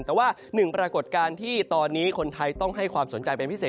แต่ว่าหนึ่งปรากฏการณ์ที่ตอนนี้คนไทยต้องให้ความสนใจเป็นพิเศษ